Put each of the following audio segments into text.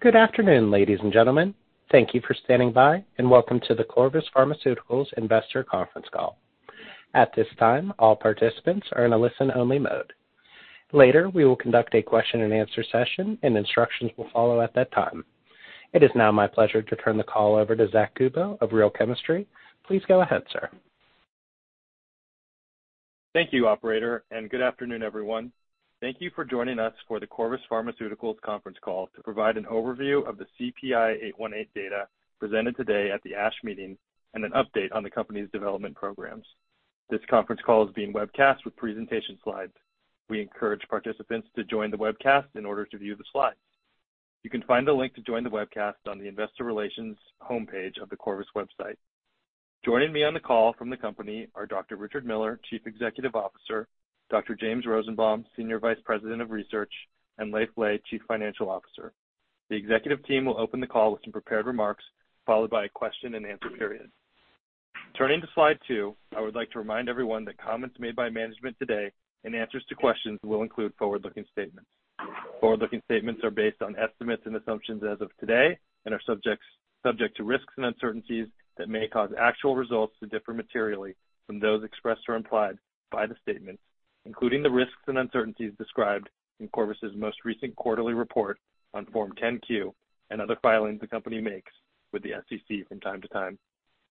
Good afternoon, ladies and gentlemen. Thank you for standing by, and welcome to the Corvus Pharmaceuticals Investor Conference Call. At this time, all participants are in a listen-only mode. Later, we will conduct a question-and-answer session, and instructions will follow at that time. It is now my pleasure to turn the call over to Zack Kubow of Real Chemistry. Please go ahead, sir. Thank you, operator. Good afternoon, everyone. Thank you for joining us for the Corvus Pharmaceuticals conference call to provide an overview of the CPI-818 data presented today at the ASH meeting and an update on the company's development programs. This conference call is being webcast with presentation slides. We encourage participants to join the webcast in order to view the slides. You can find the link to join the webcast on the investor relations homepage of the Corvus website. Joining me on the call from the company are Dr. Richard Miller, Chief Executive Officer, Dr. James Rosenbaum, Senior Vice President of Research, and Leiv Lea, Chief Financial Officer. The executive team will open the call with some prepared remarks, followed by a question-and-answer period. Turning to slide two, I would like to remind everyone that comments made by management today and answers to questions will include forward-looking statements. Forward-looking statements are based on estimates and assumptions as of today and are subject to risks and uncertainties that may cause actual results to differ materially from those expressed or implied by the statements, including the risks and uncertainties described in Corvus's most recent quarterly report on Form 10-Q and other filings the company makes with the SEC from time to time.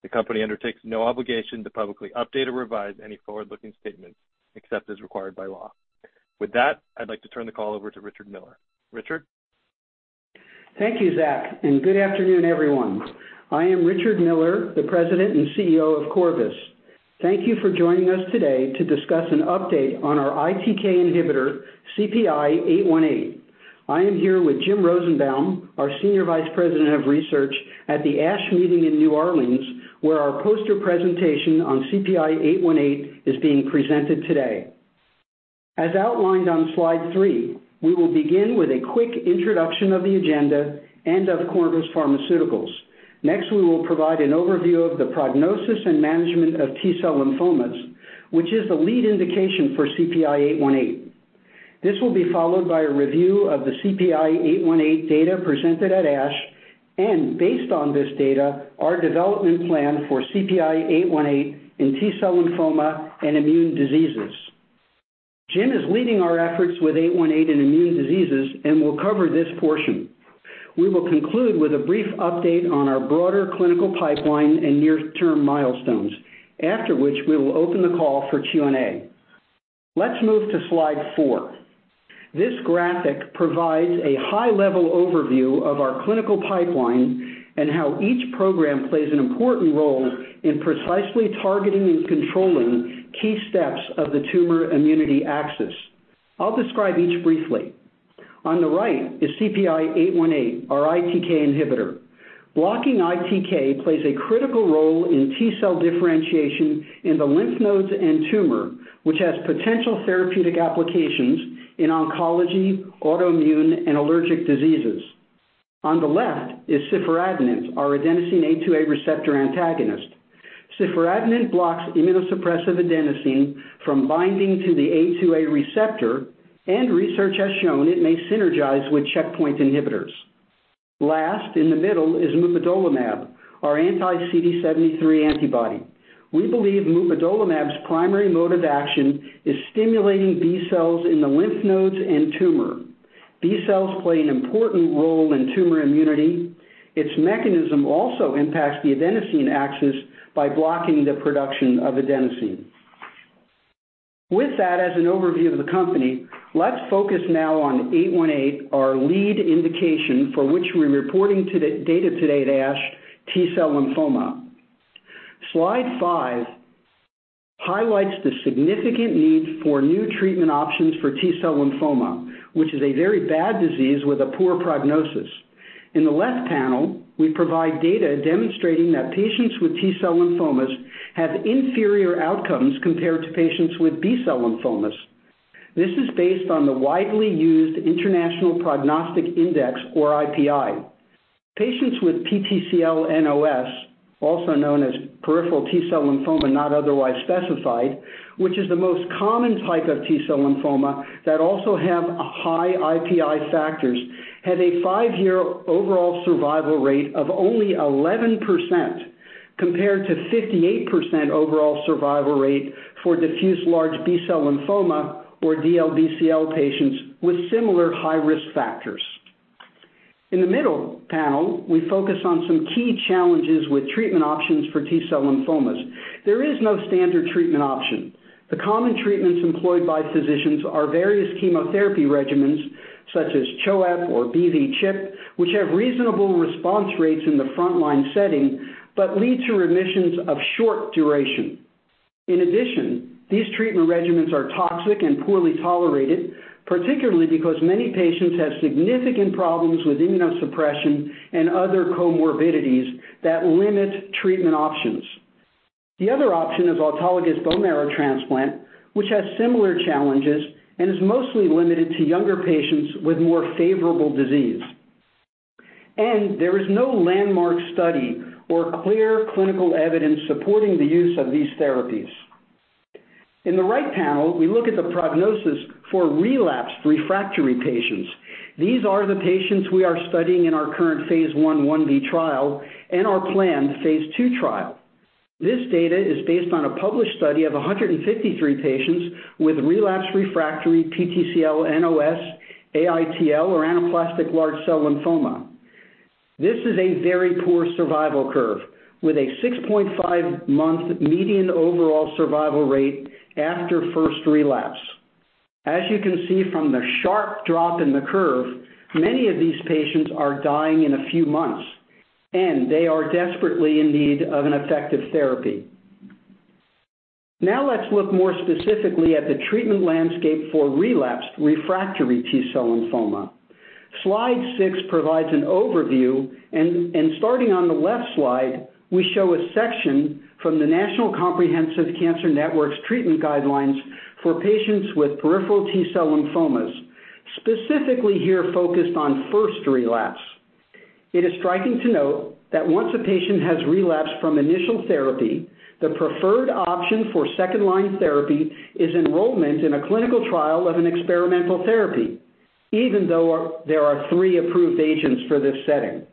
The company undertakes no obligation to publicly update or revise any forward-looking statements except as required by law. With that, I'd like to turn the call over to Richard Miller. Richard? Thank you, Zack. Good afternoon, everyone. I am Richard Miller, the President and CEO of Corvus. Thank you for joining us today to discuss an update on our ITK INHIBITOR, CPI-818. I am here with Jim Rosenbaum, our Senior Vice President of Research, at the ASH Meeting in New Orleans, where our poster presentation on CPI-818 is being presented today. As outlined on slide three, we will begin with a quick introduction of the agenda and of Corvus Pharmaceuticals. Next, we will provide an overview of the prognosis and management of T-cell lymphomas, which is the lead indication for CPI-818. This will be followed by a review of the CPI-818 data presented at ASH, and based on this data, our development plan for CPI-818 in T-cell lymphoma and immune diseases. Jim is leading our efforts with 818 in immune diseases and will cover this portion. We will conclude with a brief update on our broader clinical pipeline and near-term milestones. After which, we will open the call for Q&A. Let's move to slide four. This graphic provides a high-level overview of our clinical pipeline and how each program plays an important role in precisely targeting and controlling key steps of the tumor immunity axis. I'll describe each briefly. On the right is CPI-818, our ITK INHIBITOR,. Blocking ITK plays a critical role in T-cell differentiation in the lymph nodes and tumor, which has potential therapeutic applications in oncology, autoimmune, and allergic diseases. On the left is SIFROLIMOD, our adenosine A2A receptor antagonist. SIFROLIMOD blocks immunosuppressive adenosine from binding to the A2A receptor, research has shown it may synergize with checkpoint inhibitors. Last, in the middle is MUPADOLIMA Bour anti-CD73 antibody. We believe MUPADOLIMAB'S primary mode of action is stimulating B cells in the lymph nodes and tumor. B cells play an important role in tumor immunity. Its mechanism also impacts the adenosine axis by blocking the production of adenosine. With that as an overview of the company, let's focus now on 818, our lead indication for which we're reporting to the data today at ASH T-cell lymphoma. Slide five highlights the significant need for new treatment options for T-cell lymphoma, which is a very bad disease with a poor prognosis. In the left panel, we provide data demonstrating that patients with T-cell lymphomas have inferior outcomes compared to patients with B-cell lymphomas. This is based on the widely used International Prognostic Index, or IPI. Patients with PTCL-NOS, also known as peripheral T-cell lymphoma not otherwise specified, which is the most common type of T-cell lymphoma that also have high IPI factors, have a five-year overall survival rate of only 11% compared to 58% overall survival rate for diffuse large B-cell lymphoma or DLBCL patients with similar high-risk factors. In the middle panel, we focus on some key challenges with treatment options for T-cell lymphomas. There is no standard treatment option. The common treatments employed by physicians are various chemotherapy regimens such as CHOEP or BV-CHIP, which have reasonable response rates in the front-line setting but lead to remissions of short duration. In addition, these treatment regimens are toxic and poorly tolerated, particularly because many patients have significant problems with immunosuppression and other comorbidities that limit treatment options. The other option is autologous bone marrow transplant, which has similar challenges and is mostly limited to younger patients with more favorable disease. There is no landmark study or clear clinical evidence supporting the use of these therapies. In the right panel, we look at the prognosis for relapsed refractory patients. These are the patients we are studying in our current phase I, 1B trial and our planned phase two trial. This data is based on a published study of 153 patients with relapsed refractory PTCL-NOS, AITL, or anaplastic large cell lymphoma. This is a very poor survival curve with a 6.5-month median overall survival rate after first relapse. As you can see from the sharp drop in the curve, many of these patients are dying in a few months, and they are desperately in need of an effective therapy. Now let's look more specifically at the treatment landscape for relapsed refractory T-cell lymphoma. Slide six provides an overview, and starting on the left slide, we show a section from the National Comprehensive Cancer Network's treatment guidelines for patients with Peripheral T-cell lymphomas. Specifically here focused on first relapse. It is striking to note that once a patient has relapsed from initial therapy, the preferred option for second-line therapy is enrollment in a clinical trial of an experimental therapy, even though there are three approved agents for this setting.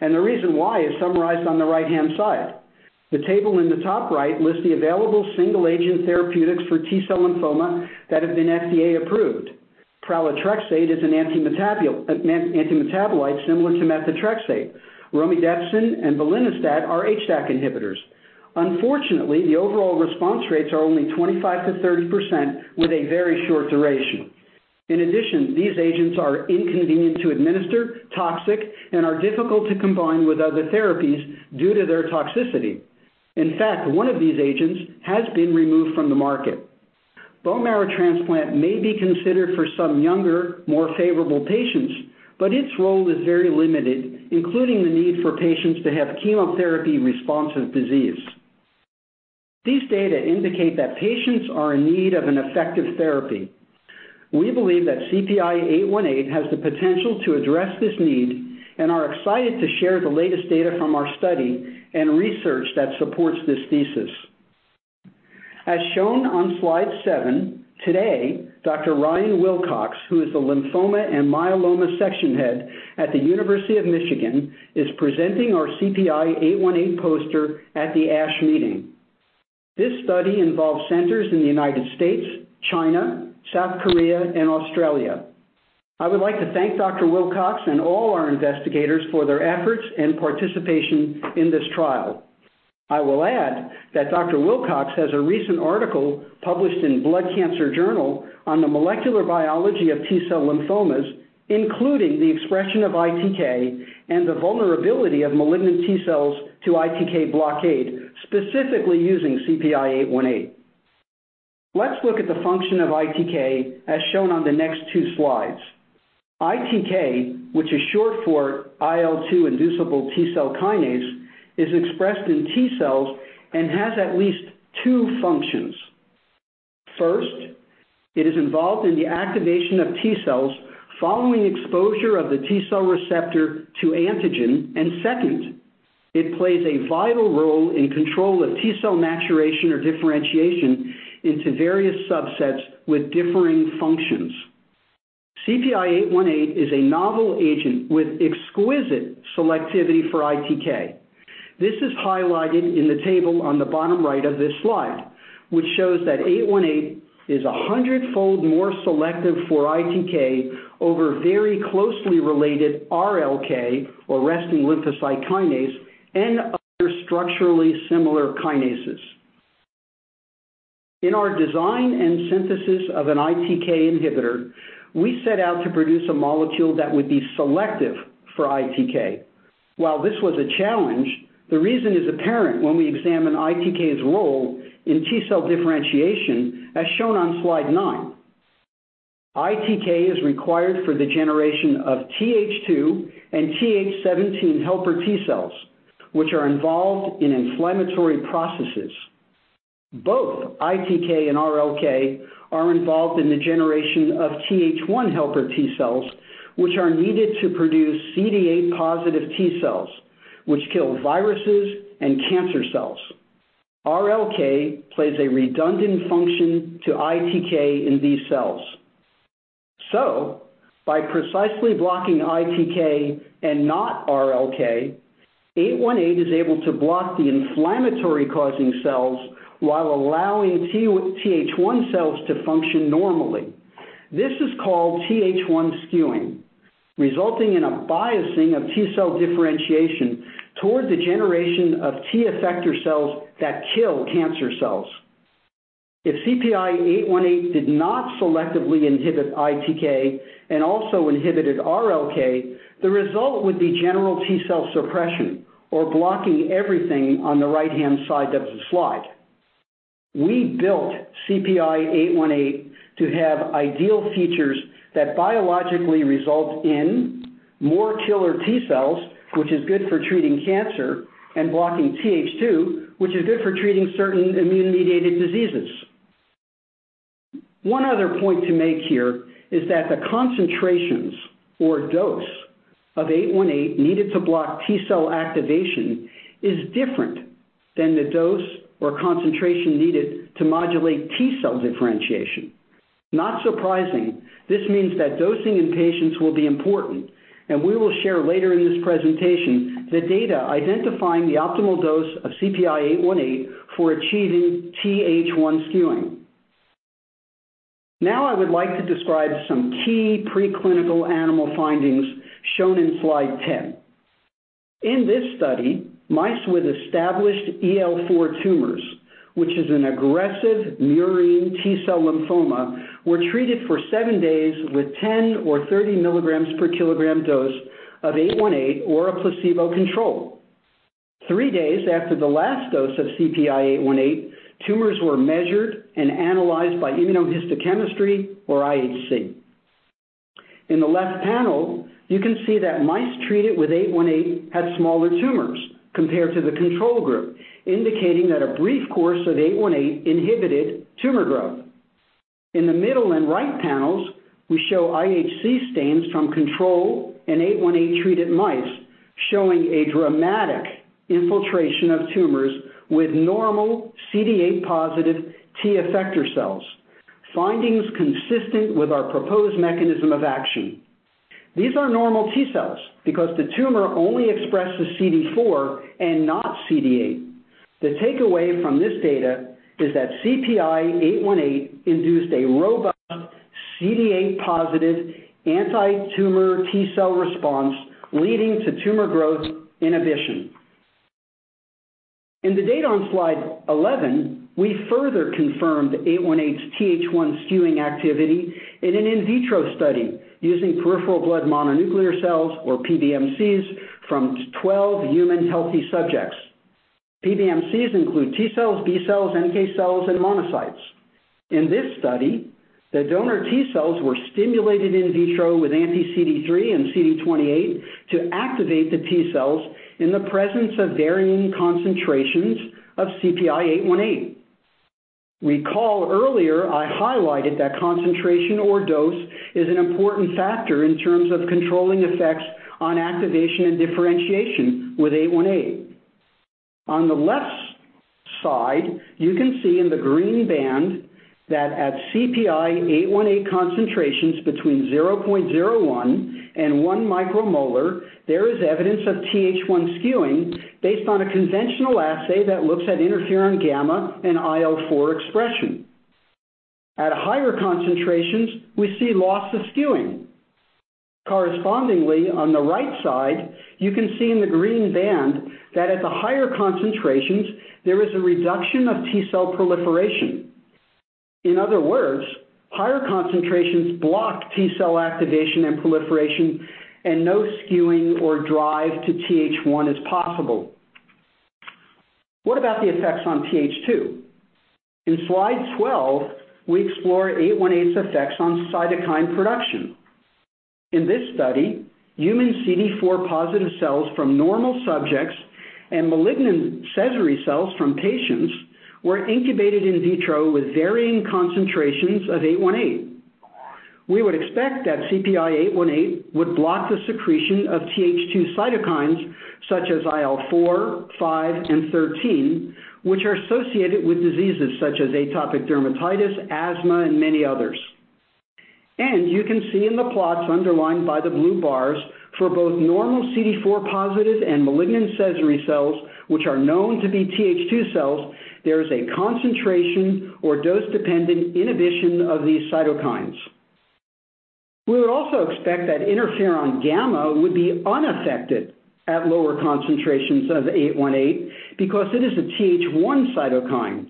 The reason why is summarized on the right-hand side. The table in the top right lists the available single-agent therapeutics for T-cell lymphoma that have been FDA-approved. PRALATREXATE is an anti-metabolite similar to METHOTREXATE. ROMIDEPSIN and VORINOSTAT are HDAC inhibitors. Unfortunately, the overall response rates are only 25%-30% with a very short duration. In addition, these agents are inconvenient to administer, toxic, and are difficult to combine with other therapies due to their toxicity. In fact, one of these agents has been removed from the market. Bone marrow transplant may be considered for some younger, more favorable patients, but its role is very limited, including the need for patients to have chemotherapy-responsive disease. These data indicate that patients are in need of an effective therapy. We believe that CPI-818 has the potential to address this need and are excited to share the latest data from our study and research that supports this thesis. As shown on slide seven, today, Dr. Ryan Wilcox, who is the Lymphoma and Myeloma section head at the University of Michigan, is presenting our CPI-818 poster at the ASH meeting. This study involves centers in the United States, China, South Korea, and Australia. I would like to thank Dr. Wilcox and all our investigators for their efforts and participation in this trial. I will add that Dr. Wilcox has a recent article published in Blood Cancer Journal on the molecular biology of T-cell lymphomas, including the expression of ITK and the vulnerability of malignant T-cells to ITK blockade, specifically using CPI-818. Let's look at the function of ITK, as shown on the next two slides. ITK, which is short for IL-2-inducible T-cell kinase, is expressed in T-cells and has at least two functions. First, it is involved in the activation of T-cells following exposure of the T-cell receptor to antigen. Second, it plays a vital role in control of T-cell maturation or differentiation into various subsets with differing functions. CPI-818 is a novel agent with exquisite selectivity for ITK. This is highlighted in the table on the bottom right of this slide, which shows that 818 is a 100-fold more selective for ITK over very closely related RLK or resting lymphocyte kinase and other structurally similar kinases. In our design and synthesis of an ITK inhibitor, we set out to produce a molecule that would be selective for ITK. While this was a challenge, the reason is apparent when we examine ITK's role in T-cell differentiation, as shown on slide 9. ITK is required for the generation of TH2 and TH17 helper T-cells, which are involved in inflammatory processes. Both ITK and RLK are involved in the generation of TH1 helper T-cells, which are needed to produce CD8 positive T-cells, which kill viruses and cancer cells. RLK plays a redundant function to ITK in these cells. By precisely blocking ITK and not RLK, CPI-818 is able to block the inflammatory-causing cells while allowing TH1 cells to function normally. This is called TH1 skewing, resulting in a biasing of T-cell differentiation toward the generation of T effector cells that kill cancer cells. If CPI-818 did not selectively inhibit ITK and also inhibited RLK, the result would be general T-cell suppression or blocking everything on the right-hand side of the slide. We built CPI-818 to have ideal features that biologically result in more killer T-cells, which is good for treating cancer, and blocking TH2, which is good for treating certain immune-mediated diseases. One other point to make here is that the concentrations or dose of CPI-818 needed to block T-cell activation is different than the dose or concentration needed to modulate T-cell differentiation. Not surprising, this means that dosing in patients will be important, and we will share later in this presentation the data identifying the optimal dose of CPI-818 for achieving TH1 skewing. I would like to describe some key preclinical animal findings shown in slide 10. In this study, mice with established EL4 tumors, which is an aggressive murine T-cell lymphoma, were treated for seven days with 10 or 30 milligrams per kilogram dose of 818 or a placebo control. Three days after the last dose of CPI-818, tumors were measured and analyzed by immunohistochemistry, or IHC. In the left panel, you can see that mice treated with 818 had smaller tumors compared to the control group, indicating that a brief course of 818 inhibited tumor growth. In the middle and right panels, we show IHC stains from control and 818-treated mice, showing a dramatic infiltration of tumors with normal CD8-positive T effector cells, findings consistent with our proposed mechanism of action. These are normal T cells because the tumor only expresses CD4 and not CD8. The takeaway from this data is that CPI-818 induced a robust CD8-positive antitumor T cell response, leading to tumor growth inhibition. In the data on slide 11, we further confirmed 818's TH1 skewing activity in an in vitro study using peripheral blood mononuclear cells, or PBMCs, from 12 human healthy subjects. PBMCs include T cells, B cells, NK cells, and monocytes. In this study, the donor T cells were stimulated in vitro with anti-CD3 and CD28 to activate the T cells in the presence of varying concentrations of CPI-818. Recall earlier I highlighted that concentration or dose is an important factor in terms of controlling effects on activation and differentiation with 818. On the left side, you can see in the green band that at CPI-818 concentrations between 0.01 and 1 micromolar, there is evidence of TH1 skewing based on a conventional assay that looks at interferon gamma and IL-4 expression. At higher concentrations, we see loss of skewing. Correspondingly, on the right side, you can see in the green band that at the higher concentrations there is a reduction of T cell proliferation. In other words, higher concentrations block T-cell activation and proliferation. No skewing or drive to TH1 is possible. What about the effects on TH2? In slide 12, we explore CPI-818's effects on cytokine production. In this study, human CD4 positive cells from normal subjects and malignant Sézary cells from patients were incubated in vitro with varying concentrations of CPI-818. We would expect that CPI-818 would block the secretion of TH2 cytokines such as IL-4, IL-5, and IL-13, which are associated with diseases such as atopic dermatitis, asthma, and many others. You can see in the plots underlined by the blue bars for both normal CD4 positive and malignant Sézary cells, which are known to be TH2 cells, there is a concentration or dose-dependent inhibition of these cytokines. We would also expect that interferon gamma would be unaffected at lower concentrations of 818 because it is a TH1 cytokine.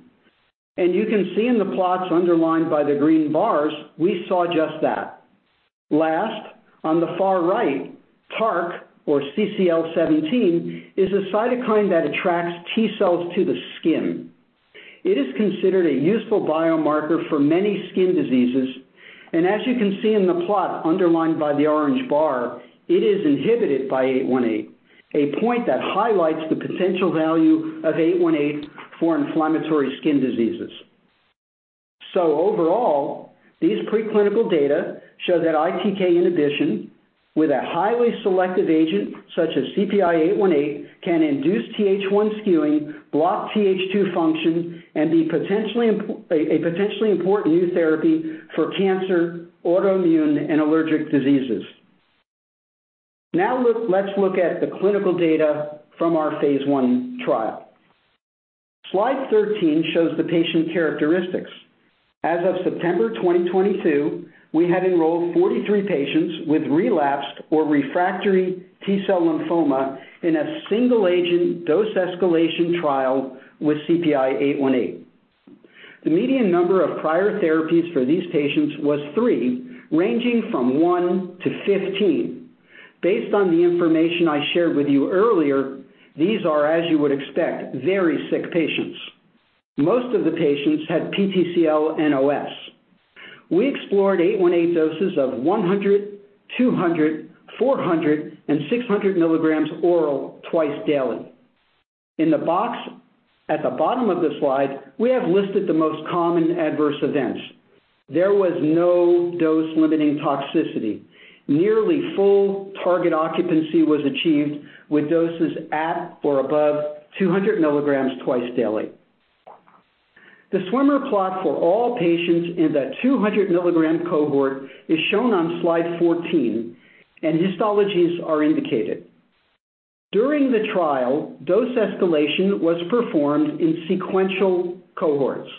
You can see in the plots underlined by the green bars, we saw just that. Last, on the far right, TARC or CCL17 is a cytokine that attracts T cells to the skin. It is considered a useful biomarker for many skin diseases. As you can see in the plot underlined by the orange bar, it is inhibited by 818, a point that highlights the potential value of 818 for inflammatory skin diseases. Overall, these preclinical data show that ITK inhibition with a highly selective agent such as CPI-818 can induce TH1 skewing, block TH2 function, and be a potentially important new therapy for cancer, autoimmune, and allergic diseases. Let's look at the clinical data from our phase I trial. Slide 13 shows the patient characteristics. As of September 2022, we had enrolled 43 patients with relapsed or refractory T-cell lymphoma in a single agent dose escalation trial with CPI-818. The median number of prior therapies for these patients was three, ranging from 1 to 15. Based on the information I shared with you earlier, these are, as you would expect, very sick patients. Most of the patients had PTCL-NOS. We explored 818 doses of 100, 200, 400, and 600 milligrams oral twice daily. In the box at the bottom of the slide, we have listed the most common adverse events. There was no dose-limiting toxicity. Nearly full target occupancy was achieved with doses at or above 200 milligrams twice daily. The swimmer plot for all patients in the 200 milligram cohort is shown on slide 14. Histologies are indicated. During the trial, dose escalation was performed in sequential cohorts.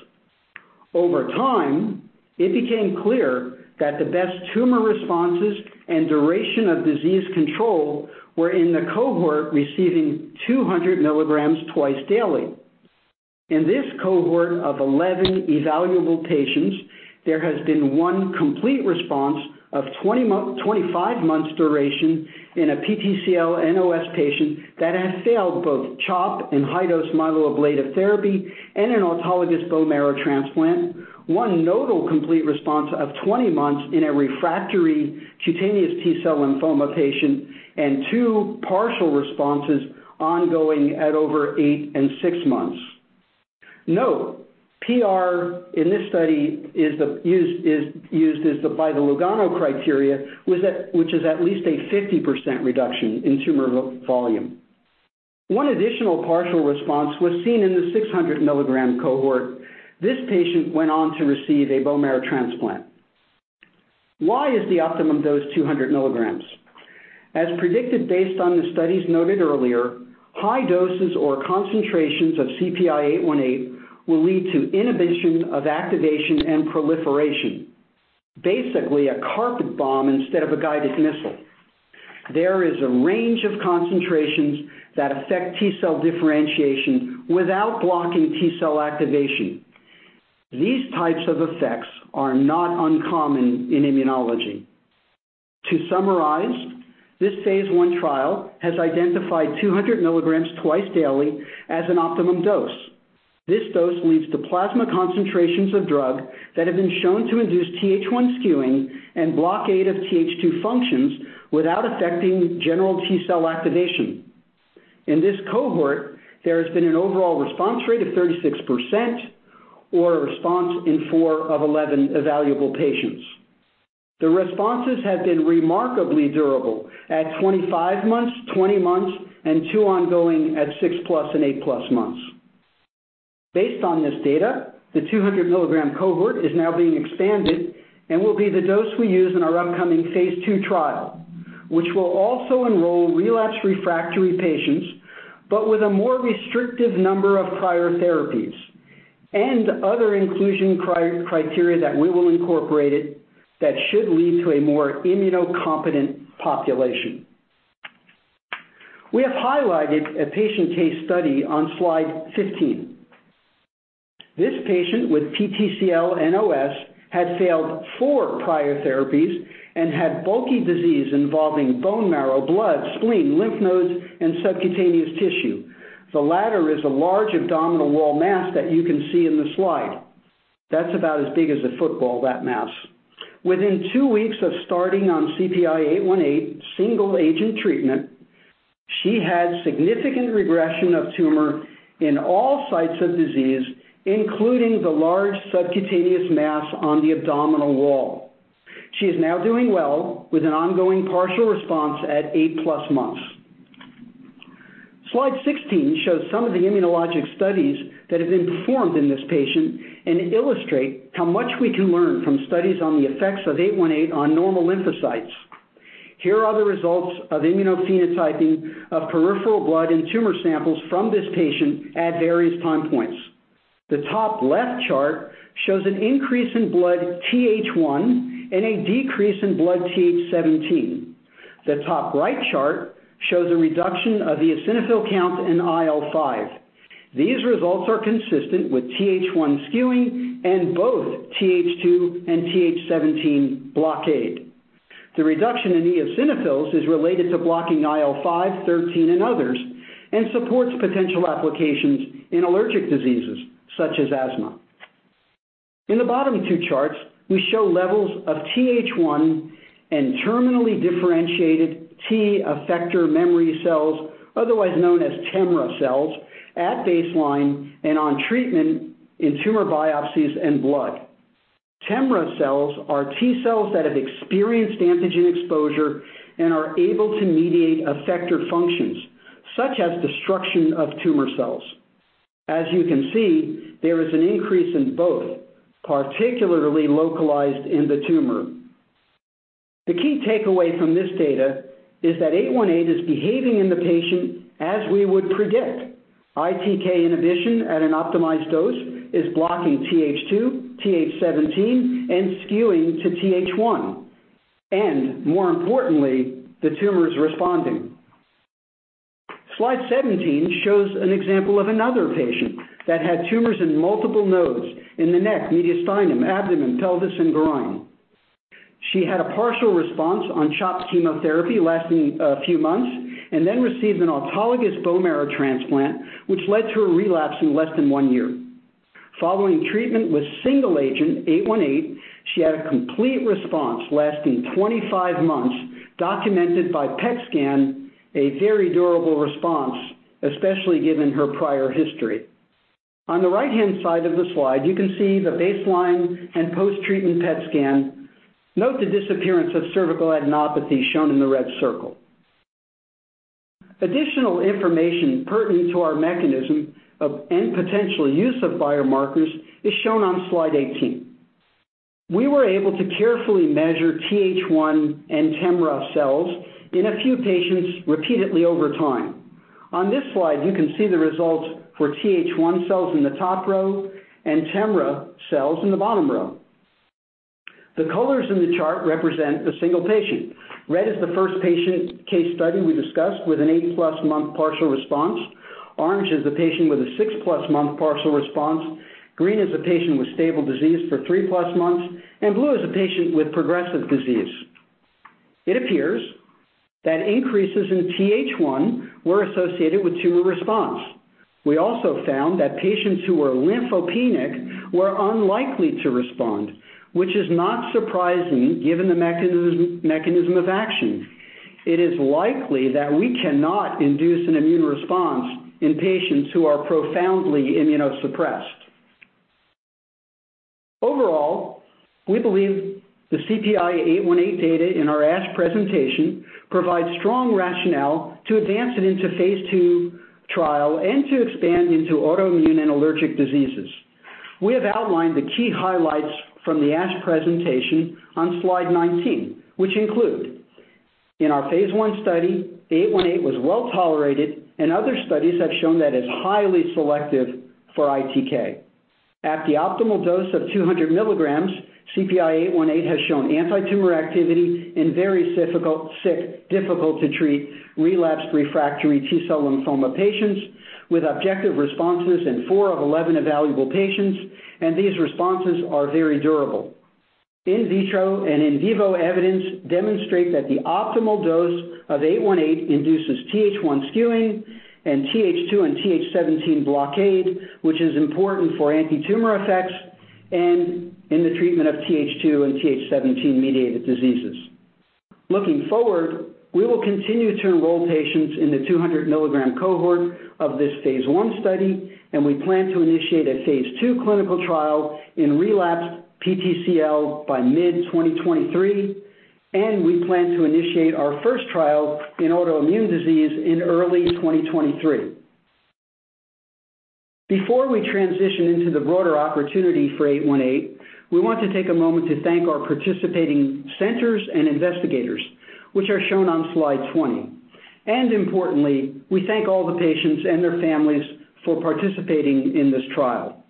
Over time, it became clear that the best tumor responses and duration of disease control were in the cohort receiving 200 milligrams twice daily. In this cohort of 11 evaluable patients, there has been one complete response of 25 months duration in a PTCL-NOS patient that has failed both CHOP and high-dose myeloablative therapy and an autologous bone marrow transplant. one nodal complete response of 20 months in a refractory cutaneous T-cell lymphoma patient. two partial responses ongoing at over eight and six months. Note, PR in this study is used as the by the Lugano criteria, which is at least a 50% reduction in tumor volume. One additional partial response was seen in the 600 mg cohort. This patient went on to receive a bone marrow transplant. Why is the optimum dose 200 mg? As predicted based on the studies noted earlier, high doses or concentrations of CPI-818 will lead to inhibition of activation and proliferation. Basically, a carpet bomb instead of a guided missile. There is a range of concentrations that affect T-cell differentiation without blocking T-cell activation. These types of effects are not uncommon in immunology. To summarize, this phase I trial has identified 200 mg twice daily as an optimum dose. This dose leads to plasma concentrations of drug that have been shown to induce TH1 skewing and blockade of TH2 functions without affecting general T-cell activation. In this cohort, there has been an overall response rate of 36% or a response in four of 11 evaluable patients. The responses have been remarkably durable at 25 months, 20 months, and two ongoing at six-plus and eight-plus months. Based on this data, the 200 mg cohort is now being expanded and will be the dose we use in our upcoming phase II trial, which will also enroll relapse refractory patients, but with a more restrictive number of prior therapies and othe inclusion criteria that we will incorporate it that should lead to a more immunocompetent population. We have highlighted a patient case study on slide 15. This patient with PTCL-NOS had failed four prior therapies and had bulky disease involving bone marrow, blood, spleen, lymph nodes, and subcutaneous tissue. The latter is a large abdominal wall mass that you can see in the slide. That's about as big as a football, that mass. Within two weeks of starting on CPI-818 single agent treatment, she had significant regression of tumor in all sites of disease, including the large subcutaneous mass on the abdominal wall. She is now doing well with an ongoing partial response at eight-plus months. Slide 16 shows some of the immunologic studies that have been performed in this patient and illustrate how much we can learn from studies on the effects of 818 on normal lymphocytes. Here are the results of immunophenotyping of peripheral blood and tumor samples from this patient at various time points. The top left chart shows an increase in blood TH1 and a decrease in blood TH17. The top right chart shows a reduction of the eosinophil count in IL-5. These results are consistent with TH1 skewing and both TH2 and TH17 blockade. The reduction in eosinophils is related to blocking IL-5, IL-13, and others, and supports potential applications in allergic diseases such as asthma. In the bottom two charts, we show levels of TH1 and terminally differentiated T effector memory cells, otherwise known as TEMRA cells, at baseline and on treatment in tumor biopsies and blood. TEMRA cells are T cells that have experienced antigen exposure and are able to mediate effector functions such as destruction of tumor cells. As you can see, there is an increase in both, particularly localized in the tumor. The key takeaway from this data is that 818 is behaving in the patient as we would predict. ITK inhibition at an optimized dose is blocking TH2, TH17, and skewing to TH1. More importantly, the tumor is responding. Slide 17 shows an example of another patient that had tumors in multiple nodes in the neck, mediastinum, abdomen, pelvis, and groin. She had a partial response on CHOP chemotherapy lasting a few months and then received an autologous bone marrow transplant, which led to a relapse in less than one year. Following treatment with single agent 818, she had a complete response lasting 25 months, documented by PET scan, a very durable response, especially given her prior history. On the right-hand side of the slide, you can see the baseline and post-treatment PET scan. Note the disappearance of cervical adenopathy shown in the red circle. Additional information pertinent to our mechanism of and potential use of biomarkers is shown on slide 18. We were able to carefully measure TH1 and TEMRA cells in a few patients repeatedly over time. On this slide, you can see the results for TH1 cells in the top row and TEMRA cells in the bottom row. The colors in the chart represent the single patient. Red is the first patient case study we discussed with an eight-plus month partial response. Orange is the patient with a six-plus month partial response. Green is the patient with stable disease for three-plus months. Blue is a patient with progressive disease. It appears that increases in TH1 were associated with tumor response. We also found that patients who were lymphopenic were unlikely to respond, which is not surprising given the mechanism of action. It is likely that we cannot induce an immune response in patients who are profoundly immunosuppressed. Overall, we believe the CPI-818 data in our ASH presentation provides strong rationale to advance it into phase II trial and to expand into autoimmune and allergic diseases. We have outlined the key highlights from the ASH presentation on slide 19, which include, in our phase I study, 818 was well-tolerated, and other studies have shown that it's highly selective for ITK. At the optimal dose of 200 milligrams, CPI-818 has shown antitumor activity in very sick, difficult to treat relapsed refractory T-cell lymphoma patients with objective responses in 4 of 11 evaluable patients. These responses are very durable. In vitro and in vivo evidence demonstrate that the optimal dose of 818 induces TH1 skewing and TH2 and TH17 blockade, which is important for antitumor effects and in the treatment of TH2 and TH17-mediated diseases. Looking forward, we will continue to enroll patients in the 200 mg cohort of this phase I study, and we plan to initiate a phase II clinical trial in relapsed PTCL by mid-2023, and we plan to initiate our first trial in autoimmune disease in early 2023. Before we transition into the broader opportunity for CPI-818, we want to take a moment to thank our participating centers and investigators, which are shown on slide 20. Importantly, we thank all the patients and their families for participating in this trial.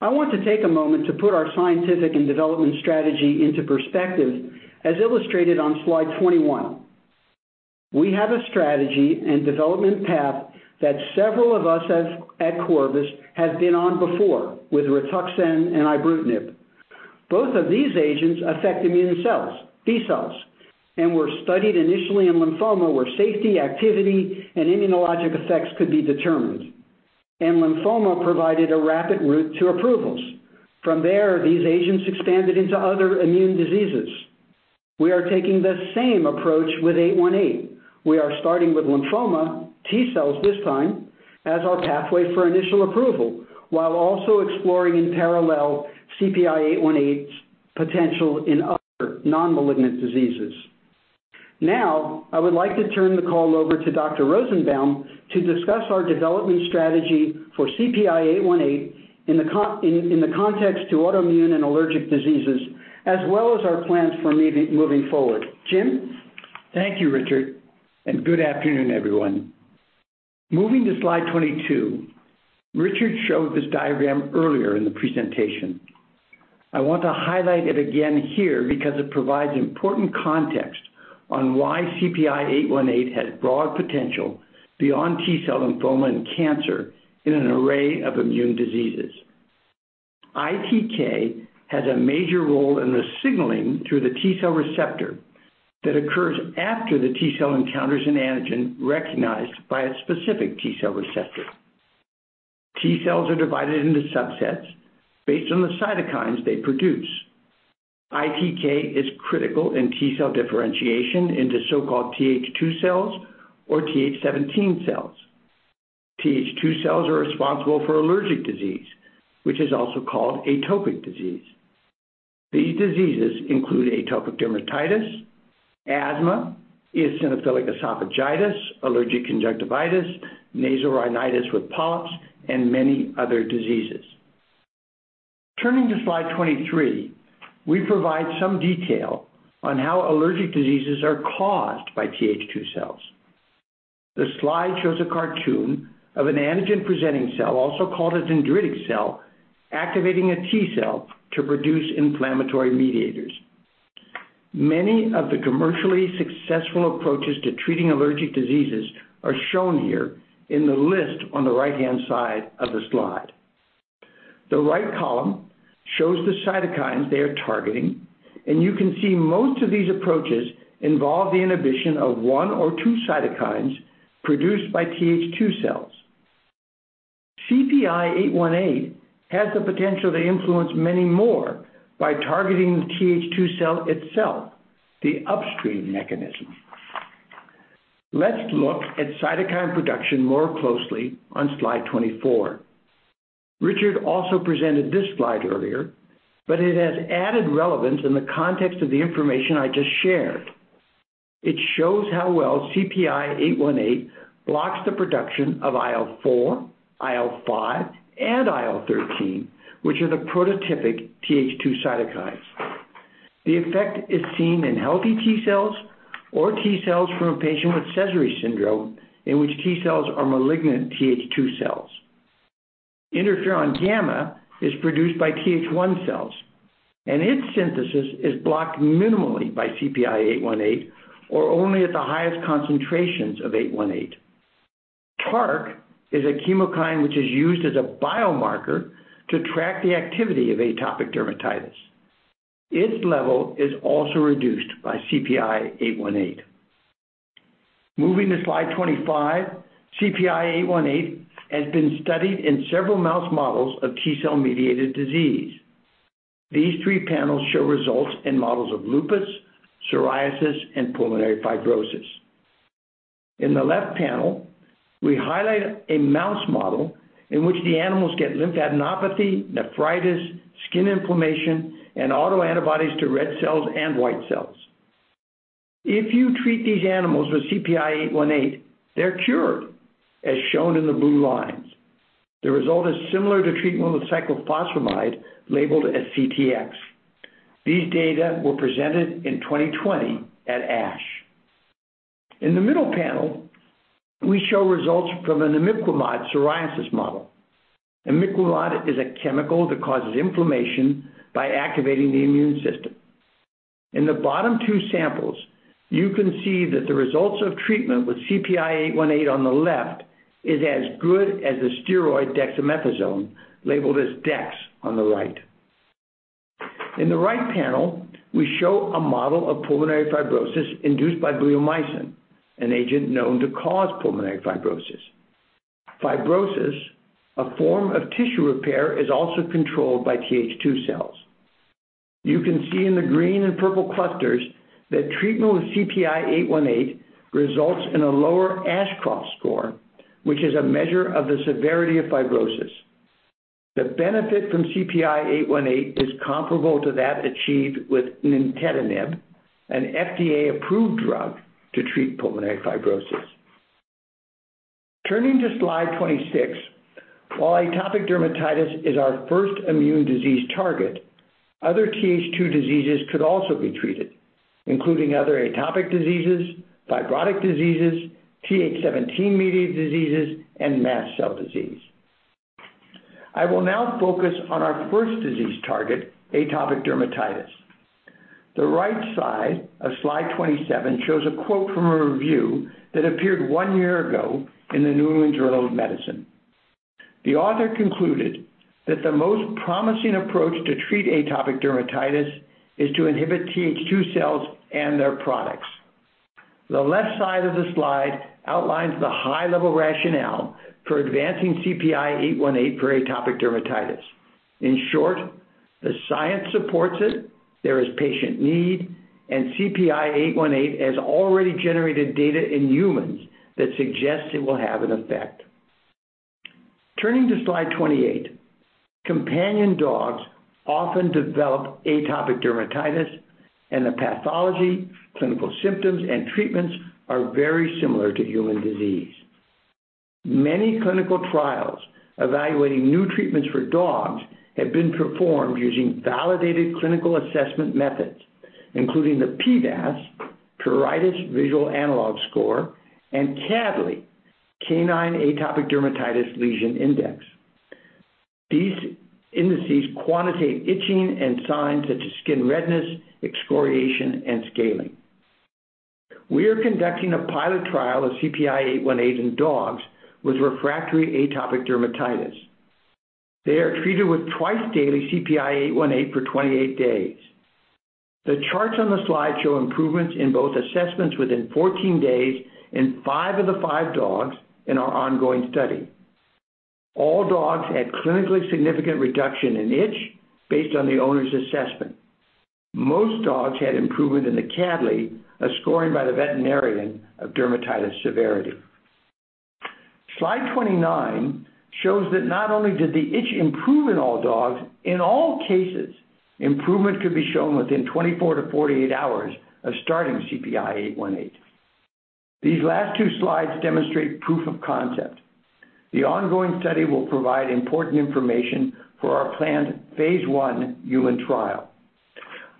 I want to take a moment to put our scientific and development strategy into perspective, as illustrated on slide 21. We have a strategy and development path that several of us have at Corvus have been on before with Rituxan and ibrutinib. Both of these agents affect immune cells, B cells, and were studied initially in lymphoma, where safety, activity, and immunologic effects could be determined. Lymphoma provided a rapid route to approvals. From there, these agents expanded into other immune diseases. We are taking the same approach with CPI-818. We are starting with lymphoma, T cells this time, as our pathway for initial approval, while also exploring in parallel CPI-818's potential in other non-malignant diseases. Now I would like to turn the call over to Dr. Rosenbaum to discuss our development strategy for CPI-818 in the context to autoimmune and allergic diseases, as well as our plans for moving forward. Jim? Thank you, Richard. Good afternoon, everyone. Moving to slide 22. Richard showed this diagram earlier in the presentation. I want to highlight it again here because it provides important context on why CPI-818 has broad potential beyond T-cell lymphoma and cancer in an array of immune diseases. ITK has a major role in the signaling through the T-cell receptor that occurs after the T-cell encounters an antigen recognized by a specific T-cell receptor. T-cells are divided into subsets based on the cytokines they produce. ITK is critical in T-cell differentiation into so-called TH2 cells or TH17 cells. TH2 cells are responsible for allergic disease, which is also called atopic disease. These diseases include atopic dermatitis, asthma, eosinophilic esophagitis, allergic conjunctivitis, nasal rhinitis with polyps, and many other diseases. Turning to slide 23, we provide some detail on how allergic diseases are caused by TH2 cells. The slide shows a cartoon of an antigen-presenting cell, also called a dendritic cell, activating a T-cell to produce inflammatory mediators. Many of the commercially successful approaches to treating allergic diseases are shown here in the list on the right-hand side of the slide. The right column shows the cytokines they are targeting, and you can see most of these approaches involve the inhibition of one or two cytokines produced by TH2 cells. CPI-818 has the potential to influence many more by targeting the TH2 cell itself, the upstream mechanism. Let's look at cytokine production more closely on slide 24. Richard also presented this slide earlier, but it has added relevance in the context of the information I just shared. It shows how well CPI-818 blocks the production of IL-4, IL-5, and IL-13, which are the prototypic TH2 cytokines. The effect is seen in healthy T cells or T cells from a patient with Sézary syndrome, in which T cells are malignant TH2 cells. interferon gamma is produced by TH1 cells, and its synthesis is blocked minimally by CPI-818 or only at the highest concentrations of 818. TARC is a chemokine which is used as a biomarker to track the activity of atopic dermatitis. Its level is also reduced by CPI-818. Moving to slide 25, CPI-818 has been studied in several mouse models of T-cell-mediated disease. These three panels show results in models of lupus, psoriasis, and pulmonary fibrosis. In the left panel, we highlight a mouse model in which the animals get lymphadenopathy, nephritis, skin inflammation, and autoantibodies to red cells and white cells. If you treat these animals with CPI-818, they're cured, as shown in the blue lines. The result is similar to treatment with cyclophosphamide labeled as CTX. These data were presented in 2020 at ASH. In the middle panel, we show results from an imiquimod psoriasis model. Imiquimod is a chemical that causes inflammation by activating the immune system. In the bottom two samples, you can see that the results of treatment with CPI-818 on the left is as good as the steroid dexamethasone, labeled as Dex on the right. In the right panel, we show a model of pulmonary fibrosis induced by bleomycin, an agent known to cause pulmonary fibrosis. Fibrosis, a form of tissue repair, is also controlled by TH2 cells. You can see in the green and purple clusters that treatment with CPI-818 results in a lower Ashcroft score, which is a measure of the severity of fibrosis. The benefit from CPI-818 is comparable to that achieved with Nintedanib, an FDA-approved drug to treat pulmonary fibrosis. Turning to slide 26, while atopic dermatitis is our first immune disease target, other TH2 diseases could also be treated, including other atopic diseases, fibrotic diseases, TH17-mediated diseases, and mast cell disease. I will now focus on our first disease target, atopic dermatitis. The right side of slide 27 shows a quote from a review that appeared one year ago in the New England Journal of Medicine. The author concluded that the most promising approach to treat atopic dermatitis is to inhibit TH2 cells and their products. The left side of the slide outlines the high-level rationale for advancing CPI-818 for atopic dermatitis. In short, the science supports it, there is patient need, and CPI-818 has already generated data in humans that suggests it will have an effect. Turning to slide 28, companion dogs often develop atopic dermatitis, and the pathology, clinical symptoms, and treatments are very similar to human disease. Many clinical trials evaluating new treatments for dogs have been performed using validated clinical assessment methods, including the PDAS, Pruritus Visual Analog Scale, and CADLI, Canine Atopic Dermatitis Lesion Index. These indices quantitate itching and signs such as skin redness, excoriation, and scaling. We are conducting a pilot trial of CPI-818 in dogs with refractory atopic dermatitis. They are treated with twice-daily CPI-818 for 28 days. The charts on the slide show improvements in both assessments within 14 days in five of the five dogs in our ongoing study. All dogs had clinically significant reduction in itch based on the owner's assessment. Most dogs had improvement in the CADLI, a scoring by the veterinarian of dermatitis severity. Slide 29 shows that not only did the itch improve in all dogs, in all cases, improvement could be shown within 24 to 48 hours of starting CPI-818. These last two slides demonstrate proof of concept. The ongoing study will provide important information for our planned phase I human trial.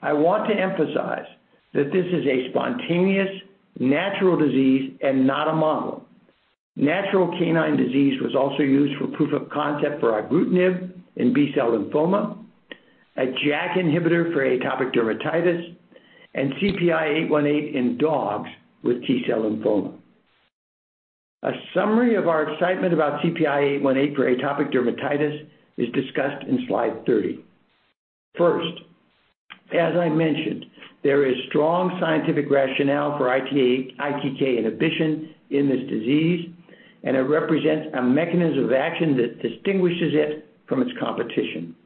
I want to emphasize that this is a spontaneous natural disease and not a model. Natural canine disease was also used for proof of concept for ibrutinib in B-cell lymphoma, a JAK inhibitor for atopic dermatitis, and CPI-818 in dogs with T-cell lymphoma. A summary of our excitement about CPI-818 for atopic dermatitis is discussed in slide 30. First, as I mentioned, there is strong scientific rationale for ITK inhibition in this disease, and it represents a mechanism of action that distinguishes it from its competition.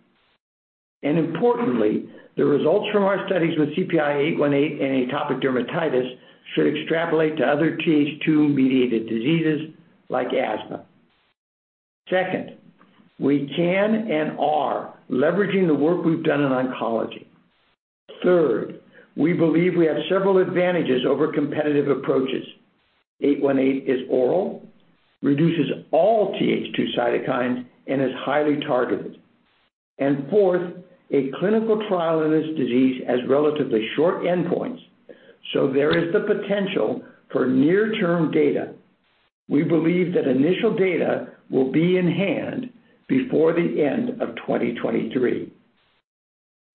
Importantly, the results from our studies with CPI-818 in atopic dermatitis should extrapolate to other TH2-mediated diseases like asthma. Second, we can and are leveraging the work we've done in oncology. Third, we believe we have several advantages over competitive approaches. Eight-one-eight is oral, reduces all TH2 cytokines, and is highly targeted. Fourth, a clinical trial in this disease has relatively short endpoints, so there is the potential for near-term data. We believe that initial data will be in hand before the end of 2023.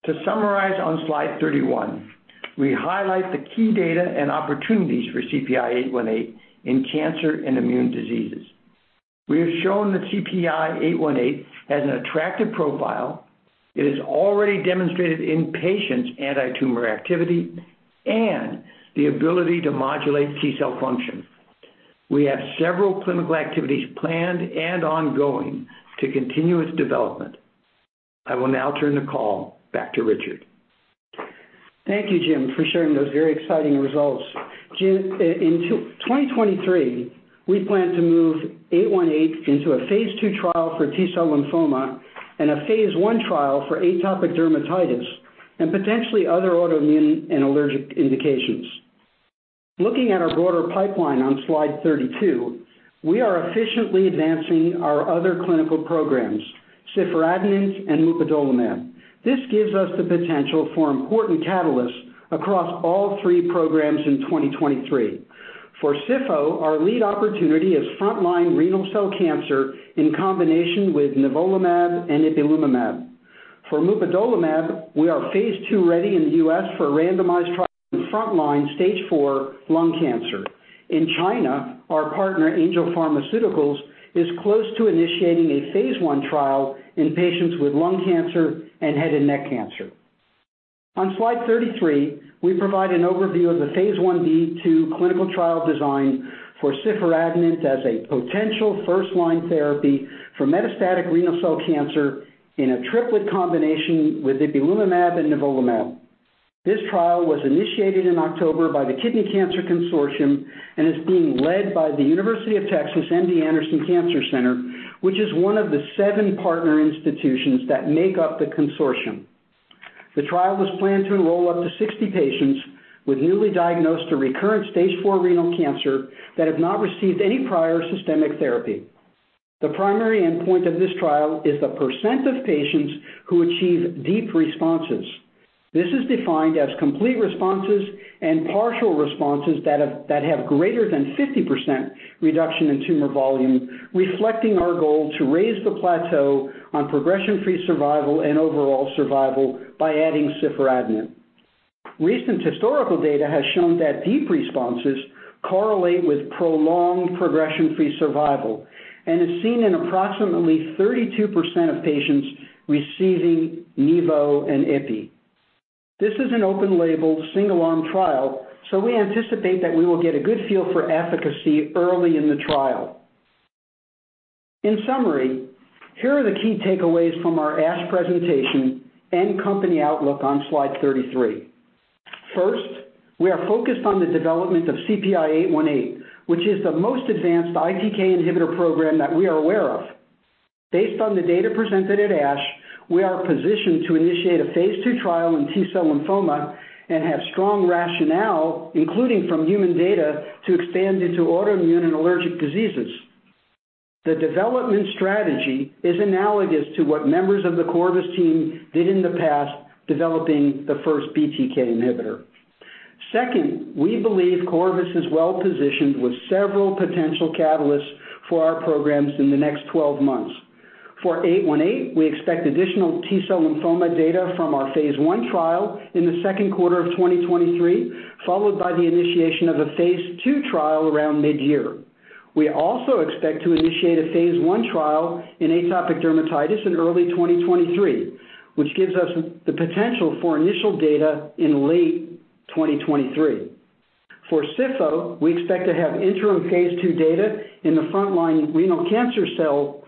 To summarize on slide 31, we highlight the key data and opportunities for CPI-818 in cancer and immune diseases. We have shown that CPI-818 has an attractive profile. It has already demonstrated in patients anti-tumor activity and the ability to modulate T-cell function. We have several clinical activities planned and ongoing to continue its development. I will now turn the call back to Richard. Thank you, Jim, for sharing those very exciting results. Jim, in 2023, we plan to move 818 into a phase II trial for T-cell lymphoma and a phase I trial for atopic dermatitis and potentially other autoimmune and allergic indications. Looking at our broader pipeline on slide 32, we are efficiently advancing our other clinical programs, SIFROLIMOD and MUPADOLIMAB. This gives us the potential for important catalysts across all three programs in 2023. For SIFROLIMOD, our lead opportunity is frontline renal cell cancer in combination with nivolumab and ipilimumab. For MUPADOLIMAB, we are phase II-ready in the U.S. for a randomized trial in frontline stage 4 lung cancer. In China, our partner, Angel Pharmaceuticals, is close to initiating a phase I trial in patients with lung cancer and head and neck cancer. On slide 33, we provide an overview of the phase I/2 clinical trial design for ciforadenant as a potential first-line therapy for metastatic renal cell cancer in a triplet combination with ipilimumab and nivolumab. This trial was initiated in October by the Kidney Cancer Research Consortium and is being led by The University of Texas MD Anderson Cancer Center, which is one of the seven partner institutions that make up the consortium. The trial is planned to enroll up to 60 patients with newly diagnosed or recurrent stage four renal cancer that have not received any prior systemic therapy. The primary endpoint of this trial is the % of patients who achieve deep responses. This is defined as complete responses and partial responses that have, that have greater than 50% reduction in tumor volume, reflecting our goal to raise the plateau on progression-free survival and overall survival by adding SIFROLIMOD. Recent historical data has shown that deep responses correlate with prolonged progression-free survival and is seen in approximately 32% of patients receiving nivo and ipi. This is an open label, single-arm trial, so we anticipate that we will get a good feel for efficacy early in the trial. In summary, here are the key takeaways from our ASH presentation and company outlook on slide 33. First, we are focused on the development of CPI-818, which is the most advanced ITK inhibitor program that we are aware of. Based on the data presented at ASH, we are positioned to initiate a phase II trial in T-cell lymphoma and have strong rationale, including from human data, to expand into autoimmune and allergic diseases. The development strategy is analogous to what members of the Corvus team did in the past, developing the first BTK inhibitor. Second, we believe Corvus is well-positioned with several potential catalysts for our programs in the next 12 months. For 818, we expect additional T-cell lymphoma data from our phase I trial in the second quarter of 2023, followed by the initiation of a phase II trial around mid-year. We also expect to initiate a phase I trial in atopic dermatitis in early 2023, which gives us the potential for initial data in late 2023. For SIFROLIMOD, we expect to have interim phase II data in the frontline renal cancer cell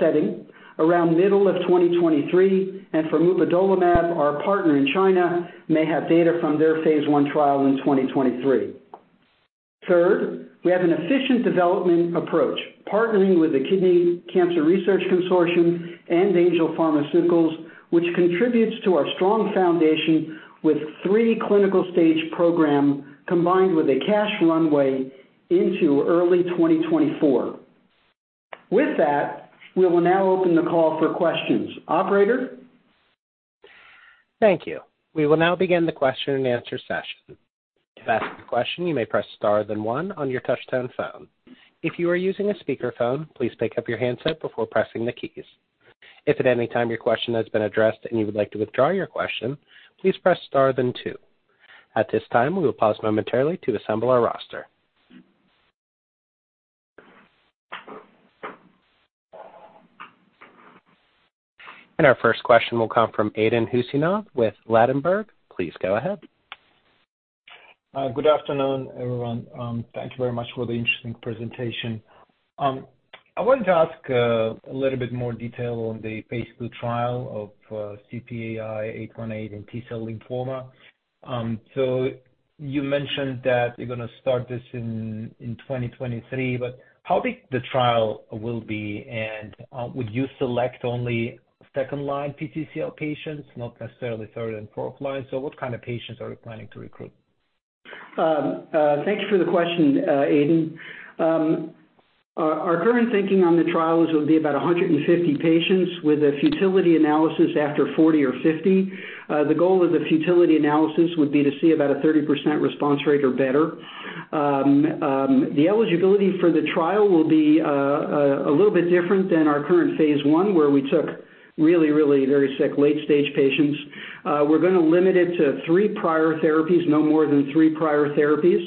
setting around middle of 2023. For MUPADOLIMAB, our partner in China may have data from their phase I trial in 2023. Third, we have an efficient development approach, partnering with the Kidney Cancer Research Consortium and Angel Pharmaceuticals, which contributes to our strong foundation with three clinical-stage program, combined with a cash runway into early 2024. With that, we will now open the call for questions. Operator? Thank you. We will now begin the question and answer session. To ask a question, you may press star then one on your touchtone phone. If you are using a speakerphone, please pick up your handset before pressing the keys. If at any time your question has been addressed and you would like to withdraw your question, please press star then two. At this time, we will pause momentarily to assemble our roster. Our first question will come from Aydin Huseynov with Ladenburg Thalmann. Inc. Please go ahead. Good afternoon, everyone. Thank you very much for the interesting presentation. I wanted to ask a little bit more detail on the phase II trial of CPI-818 in T-cell lymphoma. You mentioned that you're gonna start this in 2023, but how big the trial will be, and would you select only second-line PTCL patients, not necessarily third and fourth line? What kind of patients are you planning to recruit? Thank you for the question, Aydin Huseynov. Our current thinking on the trial is it would be about 150 patients with a futility analysis after 40 or 50. The goal of the futility analysis would be to see about a 30% response rate or better. The eligibility for the trial will be a little bit different than our current phase I, where we took really very sick, late-stage patients. We're gonna limit it to three prior therapies, no more than three prior therapies.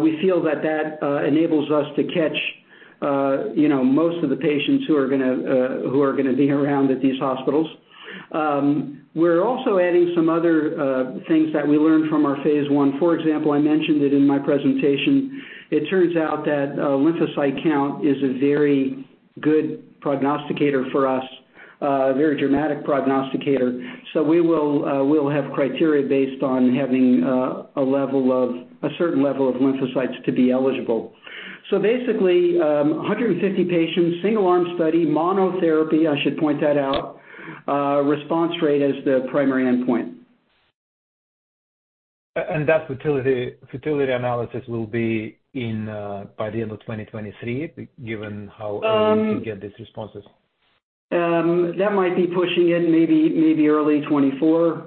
We feel that enables us to catch, you know, most of the patients who are gonna be around at these hospitals. We're also adding some other things that we learned from our phase I. For example, I mentioned it in my presentation, it turns out that lymphocyte count is a very good prognosticator for us, a very dramatic prognosticator. We'll have criteria based on having a certain level of lymphocytes to be eligible. Basically, 150 patients, single arm study, monotherapy, I should point that out, response rate as the primary endpoint. That futility analysis will be in by the end of 2023, given how early you can get these responses? That might be pushing it maybe early 2024.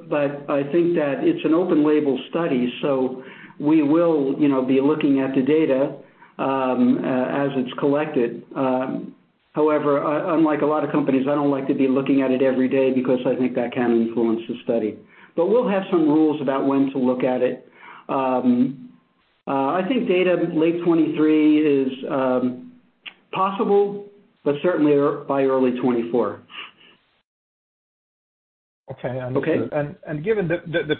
I think that it's an open label study, so we will, you know, be looking at the data as it's collected. However, unlike a lot of companies, I don't like to be looking at it every day because I think that can influence the study. We'll have some rules about when to look at it. I think data late 2023 is possible, but certainly by early 2024. Okay. Okay? Given the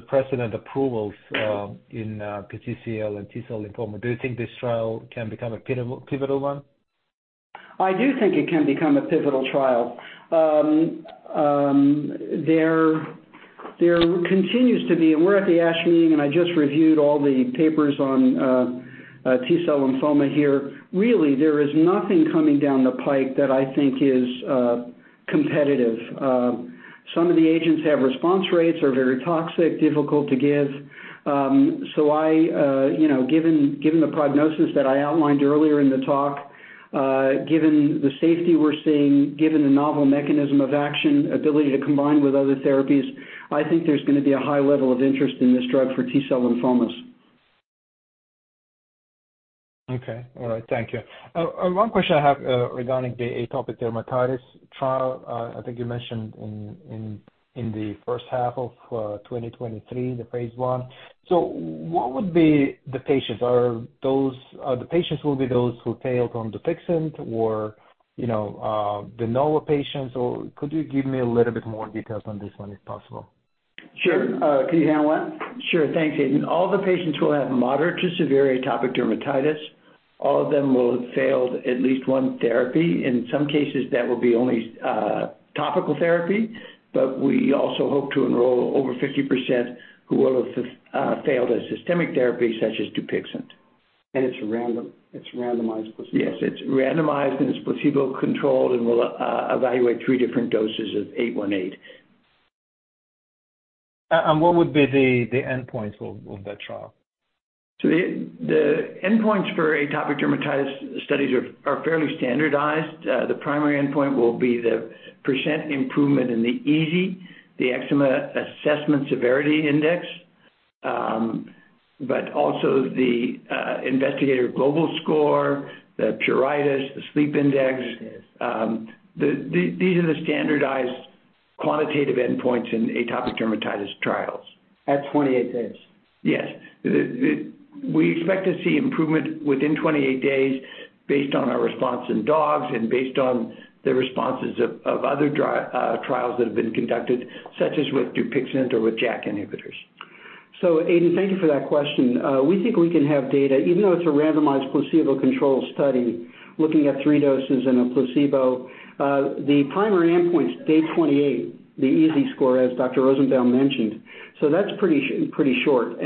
precedent approvals in PTCL and T-cell lymphoma, do you think this trial can become a pivotal one? I do think it can become a pivotal trial. There continues to be. We're at the ASH meeting, and I just reviewed all the papers on T-cell lymphoma here. Really, there is nothing coming down the pipe that I think is competitive. Some of the agents have response rates, are very toxic, difficult to give. I, you know, given the prognosis that I outlined earlier in the talk, given the safety we're seeing, given the novel mechanism of action, ability to combine with other therapies, I think there's gonna be a high level of interest in this drug for T-cell lymphomas. Okay. All right. Thank you. One question I have regarding the atopic dermatitis trial, I think you mentioned in the first half of 2023, the phase I. What would be the patients? Are the patients will be those who failed on Dupixent or, you know, the nova patients? Could you give me a little bit more details on this one if possible? Sure. Can you handle that one? Sure. Thanks, Aiden. All the patients will have moderate to severe atopic dermatitis. All of them will have failed at least one therapy. In some cases, that will be only topical therapy, but we also hope to enroll over 50% who will have failed a systemic therapy such as Dupixent. It's randomized placebo. Yes, it's randomized, and it's placebo-controlled and will evaluate three different doses of 818. what would be the endpoints of that trial? The endpoints for atopic dermatitis studies are fairly standardized. The primary endpoint will be the % improvement in the EASI, the Eczema Area and Severity Index, but also the investigator global score, the pruritus, the sleep index. These are the standardized quantitative endpoints in atopic dermatitis trials. At 28 days. Yes. We expect to see improvement within 28 days based on our response in dogs and based on the responses of other trials that have been conducted, such as with Dupixent or with JAK inhibitors. Aiden, thank you for that question. We think we can have data, even though it's a randomized placebo-controlled study, looking at three doses in a placebo. The primary endpoint's day 28, the EASI score, as Dr. Rosenbaum mentioned. That's pretty short.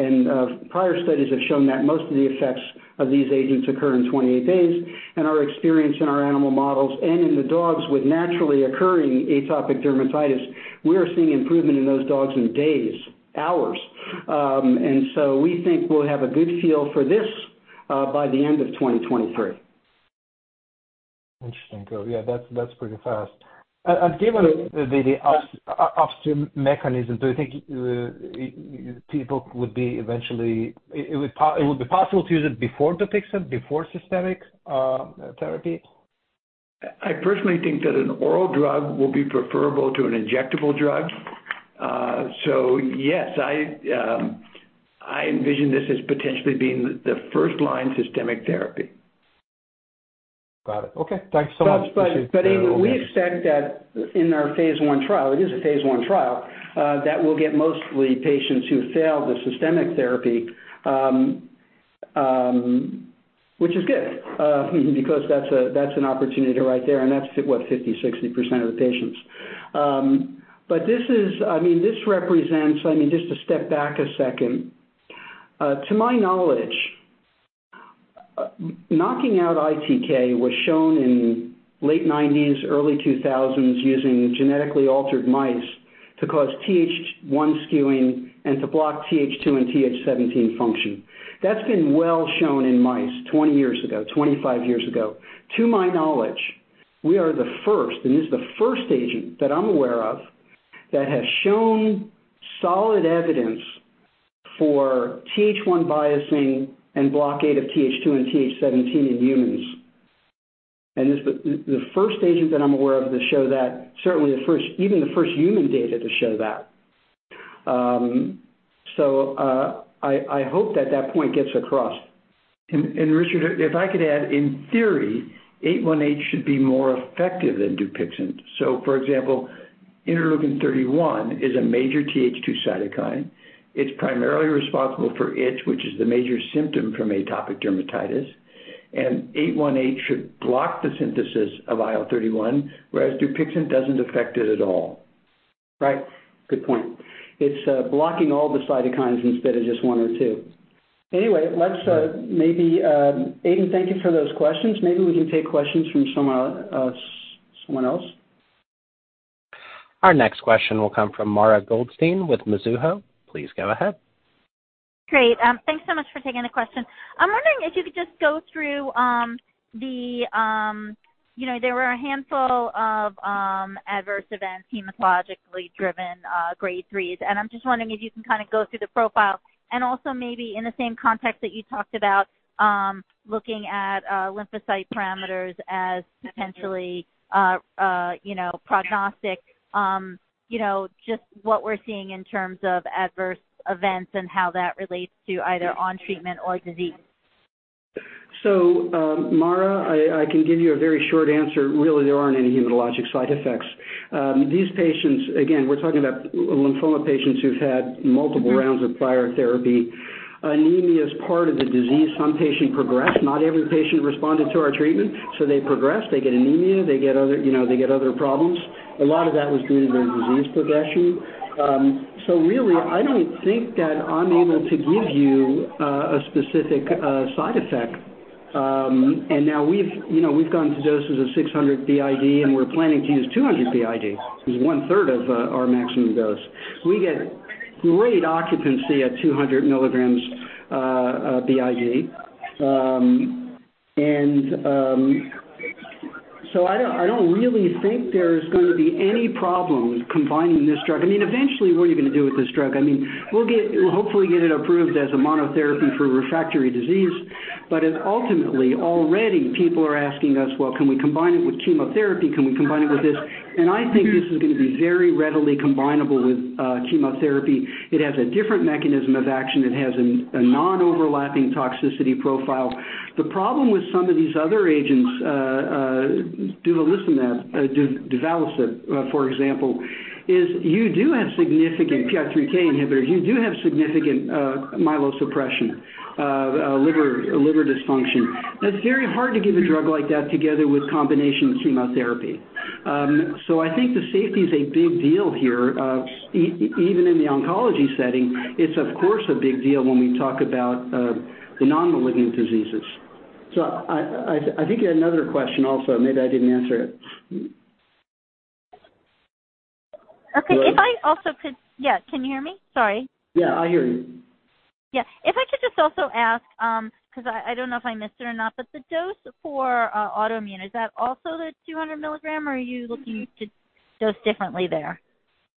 Prior studies have shown that most of the effects of these agents occur in 28 days. Our experience in our animal models and in the dogs with naturally occurring atopic dermatitis, we are seeing improvement in those dogs in days, hours. We think we'll have a good feel for this by the end of 2023. Interesting. yeah, that's pretty fast. And given the upstream mechanism, do you think people would be eventually it would be possible to use it before Dupixent, before systemic therapy? I personally think that an oral drug will be preferable to an injectable drug. Yes, I envision this as potentially being the first-line systemic therapy. Got it. Okay. Thanks so much- Aydin, we expect that in our phase I trial, it is a phase I trial, that will get mostly patients who failed the systemic therapy, which is good, because that's a, that's an opportunity right there, and that's what, 50%, 60% of the patients. This is, I mean, this represents, I mean, just to step back a second. To my knowledge, knocking out ITK was shown in late nineties, early two thousands using genetically altered mice to cause Th1 skewing and to block Th2 and Th17 function. That's been well shown in mice 20 years ago, 25 years ago. To my knowledge, we are the first, and this is the first agent that I'm aware of that has shown solid evidence for Th1 biasing and blockade of Th2 and Th17 in humans. This the first agent that I'm aware of to show that, certainly the first, even the first human data to show that. I hope that that point gets across. Richard, if I could add, in theory, 818 should be more effective than Dupixent. For example, interleukin 31 is a major TH2 cytokine. It's primarily responsible for itch, which is the major symptom from atopic dermatitis. 818 should block the synthesis of IL-31, whereas Dupixent doesn't affect it at all. Right. Good point. It's blocking all the cytokines instead of just one or two. Anyway, let's. Maybe, Aydin, thank you for those questions. Maybe we can take questions from someone else. Our next question will come from Mara Goldstein with Mizuho. Please go ahead. Great. Thanks so much for taking the question. I'm wondering if you could just go through, you know, there were a handful of adverse events, hematologically driven, grade 3s, and I'm just wondering if you can kinda go through the profile and also maybe in the same context that you talked about, looking at lymphocyte parameters as potentially, you know, prognostic, you know, just what we're seeing in terms of adverse events and how that relates to either on treatment or disease. Mara, I can give you a very short answer. Really, there aren't any hematologic side effects. These patients, again, we're talking about lymphoma patients who've had multiple rounds of prior therapy. Anemia is part of the disease. Some patients progress. Not every patient responded to our treatment, so they progress, they get anemia, they get other, you know, they get other problems. A lot of that was due to their disease progression. Really, I don't think that I'm able to give you a specific side effect. Now we've, you know, we've gone to doses of 600 BID, and we're planning to use 200 BID. It's one-third of our maximum dose. We get great occupancy at 200 mg BID. I don't really think there's gonna be any problem combining this drug. I mean, eventually, what are you gonna do with this drug? I mean, we'll hopefully get it approved as a monotherapy for refractory disease. Ultimately, already, people are asking us, "Well, can we combine it with chemotherapy? Can we combine it with this?" I think this is gonna be very readily combinable with chemotherapy. It has a different mechanism of action. It has a non-overlapping toxicity profile. The problem with some of these other agents, duvelisib, for example, is you do have significant PI3K inhibitor. You do have significant myelosuppression, liver dysfunction. It's very hard to give a drug like that together with combination chemotherapy. I think the safety is a big deal here, even in the oncology setting. It's of course a big deal when we talk about the non-malignant diseases. I think you had another question also. Maybe I didn't answer it. Okay. Yeah, can you hear me? Sorry. Yeah, I hear you. If I could just also ask, cause I don't know if I missed it or not, but the dose for autoimmune, is that also the 200 mg, or are you looking to dose differently there?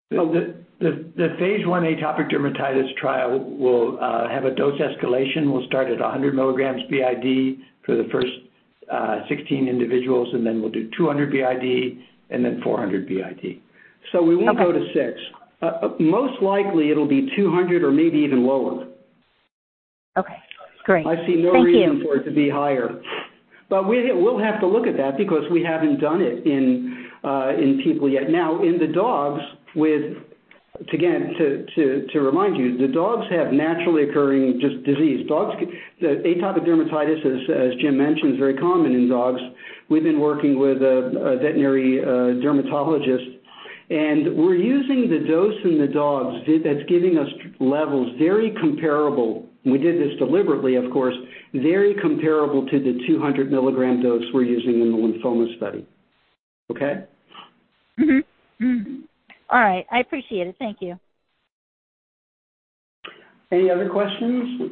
The phase I atopic dermatitis trial will have a dose escalation. We'll start at 100 mg BID for the first 16 individuals, and then we'll do 200 BID and then 400 BID. Okay. We won't go to six. Most likely it'll be 200 or maybe even lower. Okay, great. I see no reason- Thank you. -for it to be higher. We'll have to look at that because we haven't done it in people yet. In the dogs with... Again, to remind you, the dogs have naturally occurring just disease. Dogs get... Atopic dermatitis, as Jim mentioned, is very common in dogs. We've been working with a veterinary dermatologist, and we're using the dose in the dogs that's giving us levels very comparable, and we did this deliberately, of course, very comparable to the 200 mg dose we're using in the lymphoma study. Okay? All right. I appreciate it. Thank you. Any other questions?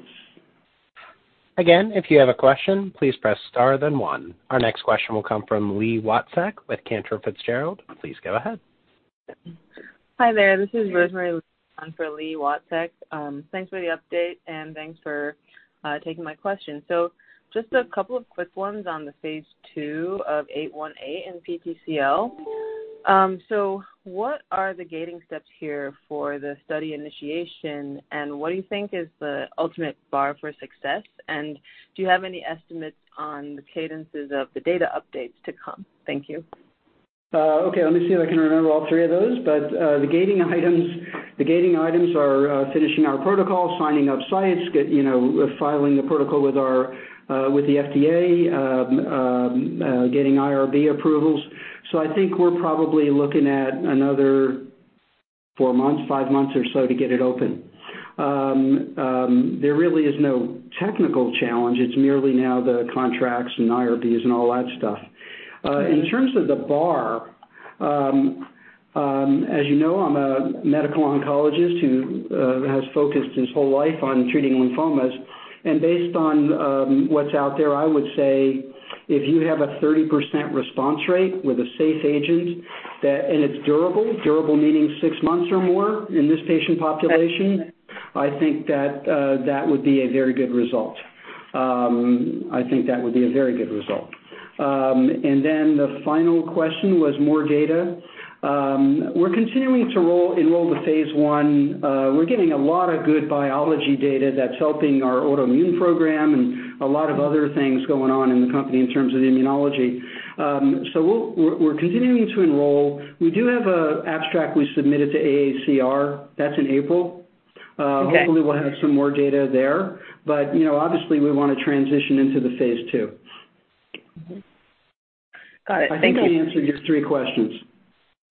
Again, if you have a question, please press Star then One. Our next question will come from Li Watsek with Cantor Fitzgerald. Please go ahead. Hi there. This is Rosemary. Okay. Let me see if I can remember all three of those. The gating items, the gating items are finishing our protocol, signing up sites, you know, filing the protocol with our with the FDA, getting IRB approvals. I think we're probably looking at another four months, five months or so to get it open. There really is no technical challenge. It's merely now the contracts and IRBs and all that stuff. In terms of the bar, as you know, I'm a medical oncologist who has focused his whole life on treating lymphomas. Based on what's out there, I would say if you have a 30% response rate with a safe agent that... It's durable meaning six months or more in this patient population, I think that would be a very good result. I think that would be a very good result. The final question was more data. We're continuing to enroll the phase one. We're getting a lot of good biology data that's helping our autoimmune program and a lot of other things going on in the company in terms of immunology. We're continuing to enroll. We do have a abstract we submitted to AACR. That's in April. Okay. Hopefully we'll have some more data there. You know, obviously we wanna transition into the phase two. Got it. Thank you. I think I answered your three questions.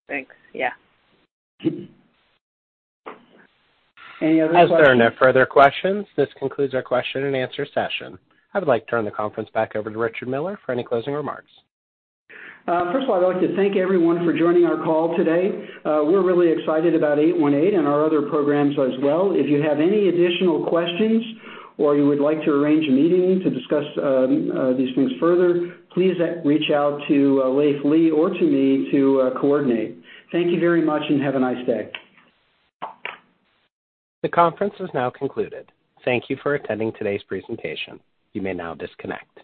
Thanks. Yeah. Any other questions? As there are no further questions, this concludes our question and answer session. I would like to turn the conference back over to Richard Miller for any closing remarks. First of all, I'd like to thank everyone for joining our call today. We're really excited about 818 and our other programs as well. If you have any additional questions or you would like to arrange a meeting to discuss these things further, please reach out to Leiv Lea or to me to coordinate. Thank you very much and have a nice day. The conference is now concluded. Thank you for attending today's presentation. You may now disconnect.